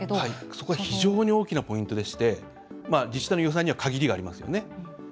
そこは非常に大きなポイントでして自治体の予算には限りがありますよね。